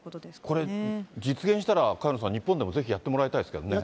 これ、実現したら萱野さん、日本でもぜひやってもらいたいですけどね。